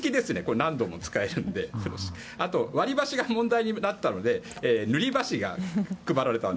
何度も使えるのであと、割り箸が問題になってたので塗り箸が配られました。